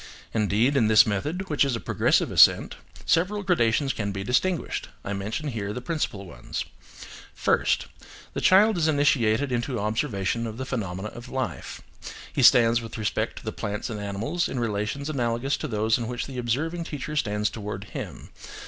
Indeed, in this method, which is a progressive ascent, several gradations can be distinguished: I mention here the principal ones: First. The child is initiated into observation of the phenomena of life. He stands with respect to the plants and animals in relations analogous to those in which the observing teacher stands towards him.